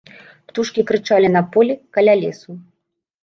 Птушкі крычалі на полі, каля лесу.